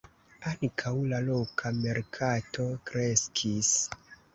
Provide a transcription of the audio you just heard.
Ankaŭ la loka merkato kreskis.